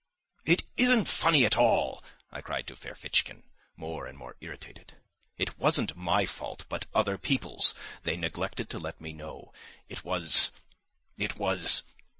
"It isn't funny at all!" I cried to Ferfitchkin, more and more irritated. "It wasn't my fault, but other people's. They neglected to let me know. It was ... it was